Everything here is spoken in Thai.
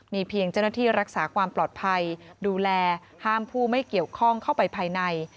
มีเพียงเจ้าหน้าที่รักษาความปลอดภัยดูแลห้ามผู้ไม่เกี่ยวข้องเข้าไปภายใน